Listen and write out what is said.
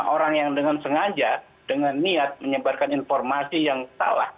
orang yang dengan sengaja dengan niat menyebarkan informasi yang salah